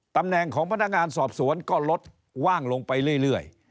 ตำแหน่งของพนักงานสอบสวนก็ลดว่างลงไปเรื่อย